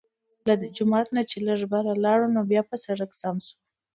د جومات نه چې لږ بره لاړو نو بيا پۀ سړک سم شو